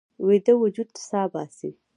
ویده وجود سا باسي